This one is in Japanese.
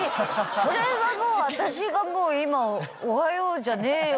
それはもう私がもう今「おはようじゃねーよ」